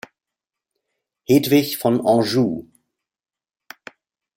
Hedwig von Anjou.